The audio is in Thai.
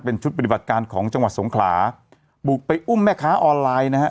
เป็นชุดปฏิบัติการของจังหวัดสงขลาบุกไปอุ้มแม่ค้าออนไลน์นะฮะ